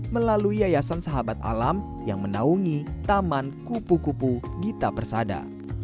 melalui yayasan sahabat alam yang menaungi taman kupu kupu gita persada